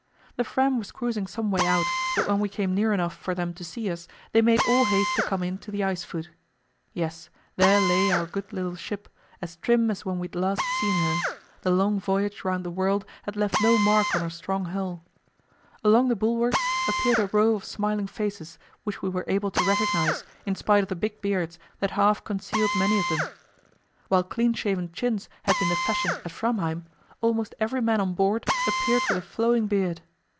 The Fram was cruising some way out, but when we came near enough for them to see us, they made all haste to come in to the ice foot. Yes, there lay our good little ship, as trim as when we had last seen her; the long voyage round the world had left no mark on her strong hull. Along the bulwarks appeared a row of smiling faces, which we were able to recognize in spite of the big beards that half concealed many of them. While clean shaven chins had been the fashion at Framheim, almost every man on board appeared with a flowing beard.